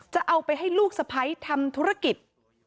จะเอาไปให้ลูกสะพ้ายทำธุรกิจ